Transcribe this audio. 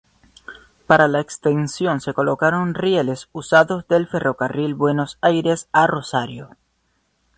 Para la extensión se colocaron rieles usados del Ferrocarril Buenos Aires a Rosario.